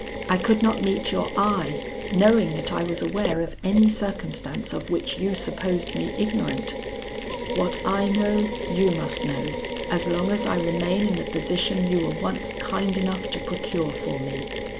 I could not meet your eye, knowing that I was aware of any circumstance of which you supposed me ignorant. What I know, you must know, as long as I remain in the position you were once kind enough to procure for me.